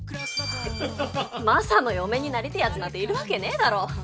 マサの嫁になりてえやつなんているわけねえだろ。